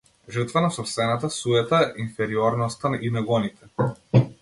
Жртва на сопствената суета, инфериорноста и нагоните.